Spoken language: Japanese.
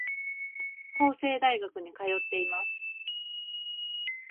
法政大学に通っています。